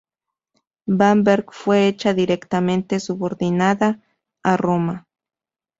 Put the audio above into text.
Bamberg fue hecha directamente subordinada a Roma.